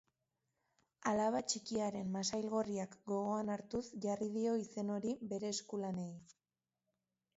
Alaba txikiaren masail gorriak gogoan hartuz jarri dio izen hori bere eskulanei.